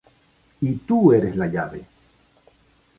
Y tú eres la llave.